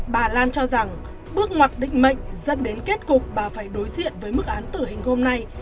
bà lan cho rằng bước ngoặt định mệnh dẫn đến kết cục bà phải đối diện với mức án tử hình hôm nay